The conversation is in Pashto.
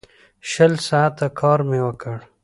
شل ساعته کار مې وکړ.